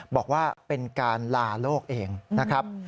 บอกว่าเป็นการลาโลกเองนะครับ